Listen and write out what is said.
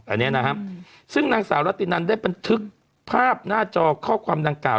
อันนี้นะครับซึ่งนางสาวรัตนันได้บันทึกภาพหน้าจอข้อความดังกล่าว